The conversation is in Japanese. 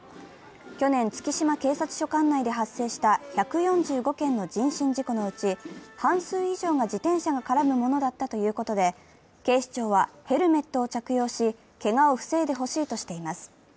去年、月島警察署管内で発生した１４５件の人身事故のうち半数以上が自転車が絡むものだったということで警視庁は、ヘルメットを着用し、けがを防いでほしいとしています。